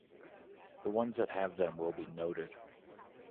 The ones that have them will be noted.